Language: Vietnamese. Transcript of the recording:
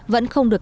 vẫn không được